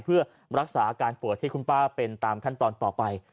เพื่อรักษาอาการปวดที่คุณป้าเป็นตามขั้นตอนต่อไป